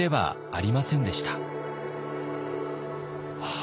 あ